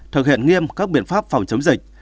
thực hiện nghiêm các biện pháp phòng chống dịch